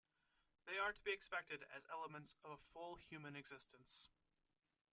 They are to be expected as elements of a full human existence.